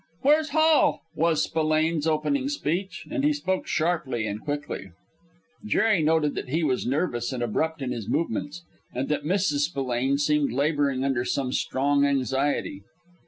"Where's Hall?" was Spillane's opening speech, and he spoke sharply and quickly. Jerry noted that he was nervous and abrupt in his movements, and that Mrs. Spillane seemed laboring under some strong anxiety.